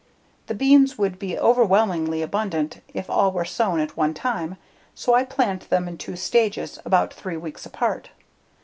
The beans would be overwhelmingly abundant if all were sown at one time, so I plant them in two stages about three weeks apart.